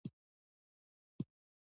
یوولسم لوست د ایران صفویان دي.